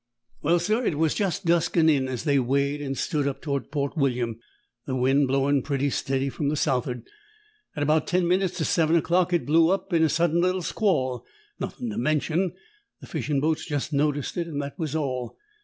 "Well, sir, it was just dusking in as they weighed and stood up towards Port William, the wind blowing pretty steady from the south'ard. At about ten minutes to seven o'clock it blew up in a sudden little squall nothing to mention; the fishing boats just noticed it, and that was all.